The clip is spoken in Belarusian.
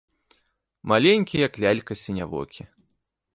Маленькі, як лялька, сінявокі.